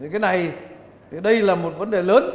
cái này đây là một vấn đề lớn